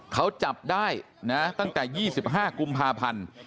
เขาจับได้นะตั้งแต่๒๕กุมภาพันธ์